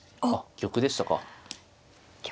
あっ玉でしたか。